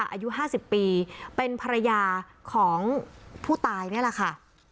อายุ๕๐ปีเป็นภรรยาของผู้ตายนี่แหละค่ะ